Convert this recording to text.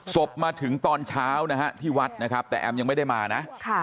ศพมาถึงตอนเช้านะฮะที่วัดนะครับแต่แอมยังไม่ได้มานะ